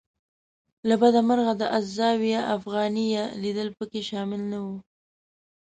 له بده مرغه د الزاویة الافغانیه لیدل په کې شامل نه و.